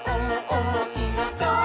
おもしろそう！」